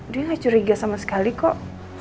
dia gak curiga sama sekali kok